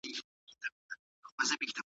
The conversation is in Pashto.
ماشومه د لوبې پر مهال خلاقیت ښيي.